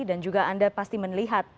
dan juga anda pasti melihat